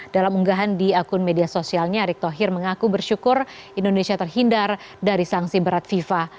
dalam unggahan di akun media sosialnya erick thohir mengaku bersyukur indonesia terhindar dari sanksi berat fifa